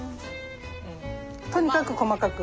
とにかく細かく？